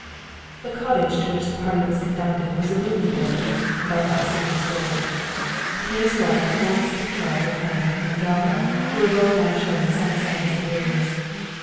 The cottage to which the party was conducted was a roomy building, but of a single storey. Pia's wife at once took charge of Anna and Galva, who were both now showing some signs of weariness.